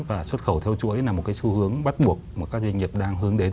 và xuất khẩu theo chuỗi là một cái xu hướng bắt buộc mà các doanh nghiệp đang hướng đến